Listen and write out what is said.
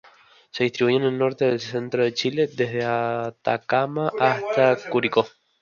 Se distribuye en el norte y centro de Chile, desde Atacama hasta Curicó.